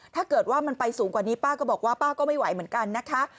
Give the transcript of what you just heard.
ถ้าเกิดว่ามันไปสูงกว่านี้ป้าก็บอกว่าป้าก็ไม่ไหวเหมือนกันนะคะ